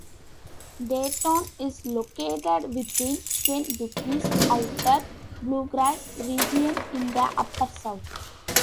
Dayton is located within Kentucky's Outer Bluegrass region in the Upper South.